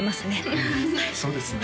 うんそうですね